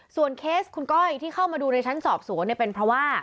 เคสคุณก้อยที่เข้ามาดูในชั้นสอบสวนเนี่ยเป็นเพราะว่า